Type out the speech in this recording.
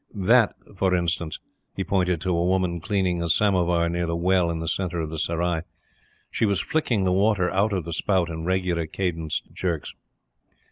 That for instance." He pointed to a woman cleaning a samovar near the well in the centre of the Serai. She was flicking the water out of the spout in regular cadenced jerks.